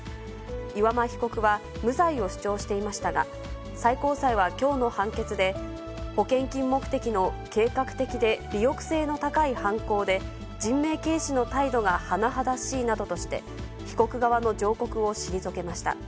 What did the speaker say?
岩間被告は無罪を主張していましたが、最高裁はきょうの判決で、保険金目的の計画的で利欲性の高い犯行で、人命軽視の態度が甚だしいなどとして、被告側の上告を退けました。